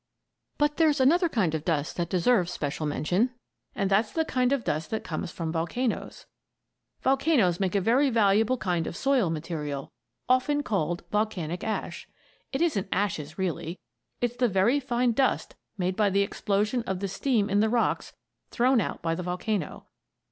But there's another kind of dust that deserves special mention, and that's the kind of dust that comes from volcanoes. Volcanoes make a very valuable kind of soil material, often called "volcanic ash." It isn't ashes, really. It's the very fine dust made by the explosion of the steam in the rocks thrown out by the volcano.